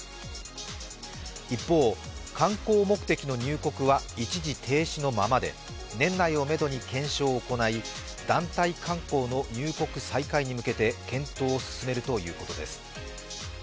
一方、観光目的の入国は一時停止のままで、年内をめどに検証を行い、団体観光の入国再開に向けて検討を進めるということです。